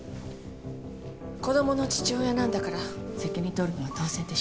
子供の父親なんだから責任取るのは当然でしょ。